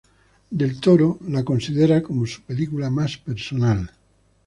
Del Toro la considera como su película más personal.